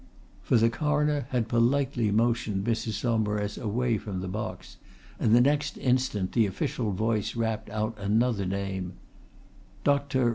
For the Coroner had politely motioned Mrs. Saumarez away from the box, and the next instant the official voice rapped out another name: "Dr. Rutherford Carstairs!"